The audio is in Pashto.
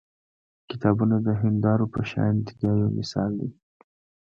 کتابونه د هیندارو په شان دي دا یو مثال دی.